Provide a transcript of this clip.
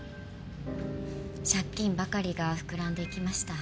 借金ばかりが膨らんでいきました。